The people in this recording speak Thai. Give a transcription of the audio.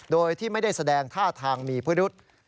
โดยที่ไม่ได้แสดงท่าทางมีพิรุษ